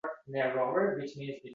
Pichoqni kim o`g`irladi